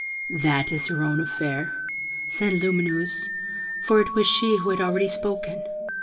'That is her own affair,' said Lumineuse (for it was she who had already spoken).